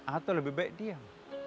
atau lebih baik diam